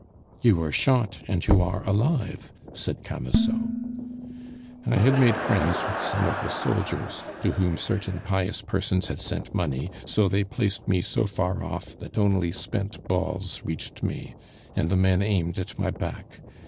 "You were shot, and you are alive!" said Camusot. "I had made friends with some of the soldiers, to whom certain pious persons had sent money, so they placed me so far off that only spent balls reached me, and the men aimed at my back.